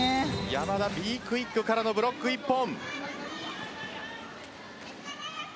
山田Ｂクイックからのブロック１本。